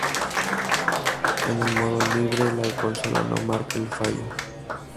En el modo libre, la consola no marca el fallo.